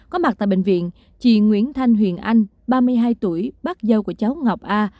có mặt tại bệnh viện chị nguyễn thanh huyền anh ba mươi hai tuổi bác dâu của cháu ngọc a